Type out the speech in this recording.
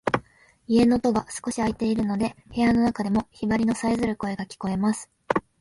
家の戸が少し開いているので、部屋の中でもヒバリのさえずる声が聞こえます。